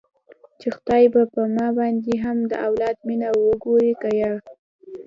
چې خداى به په ما باندې هم د اولاد مينه وګوري که يه.